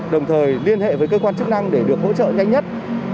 đồng thời liên hệ với cơ quan chức năng để được hỗ trợ nhanh nhất